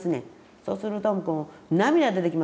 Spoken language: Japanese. そうするとこう涙出てきますねん。